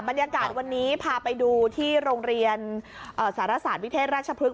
บรรยากาศวันนี้พาไปดูที่โรงเรียนสารศาสตร์วิเทศราชพฤกษ